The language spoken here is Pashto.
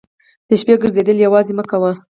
د شپې ګرځېدل یوازې مه کوه.